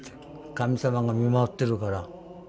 「神様が見守ってるから。